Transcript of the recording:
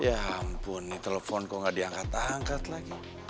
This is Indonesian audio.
ya ampun nih telepon kok gak diangkat angkat lagi